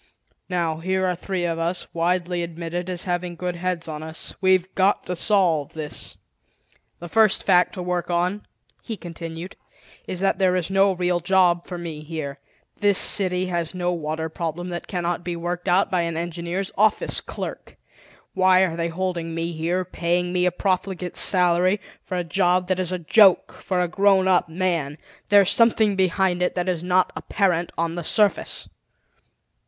Now, here are three of us, widely admitted as having good heads on us. We've got to solve this." "The first fact to work on," he continued, "is that there is no real job for me here. This city has no water problem that cannot be worked out by an engineer's office clerk. Why are they holding me here, paying me a profligate salary, for a job that is a joke for a grown up man? There's something behind it that is not apparent on the surface."